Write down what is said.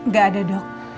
gak ada dok